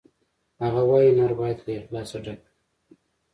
هغه وایی هنر باید له اخلاصه ډک وي